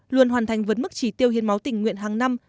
luôn hoàn thành vượt mức chỉ tiêu hiến máu tình nguyện hàng năm